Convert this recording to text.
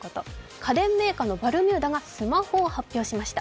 家電メーカーのバルミューダがスマホを発表しました。